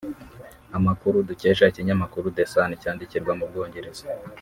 Amakuru dukesha ikinyamakuru the sun cyandikirwa mu Bwongereza